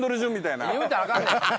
言うたらあかんねん。